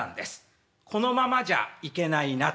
「このままじゃいけないな」と。